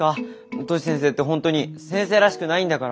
トシ先生って本当に先生らしくないんだから。